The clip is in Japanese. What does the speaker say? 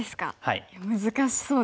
いや難しそうですね。